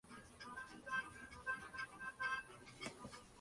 Las costas del Nahe menores son usadas para viñedos.